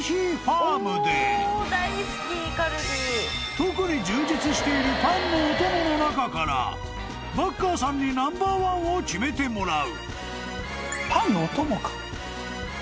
［特に充実しているパンのお供の中からバッカーさんにナンバーワンを決めてもらう］